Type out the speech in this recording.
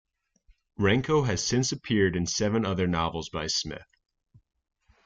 Renko has since appeared in seven other novels by Smith.